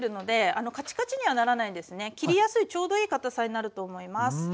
切りやすいちょうどいいかたさになると思います。